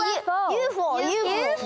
ＵＦＯ！